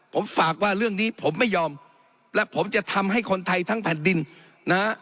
ผมฝากว่าเรื่องนี้ผมไม่ยอมและผมจะทำให้คนไทยทั้งแผ่นดินนะฮะ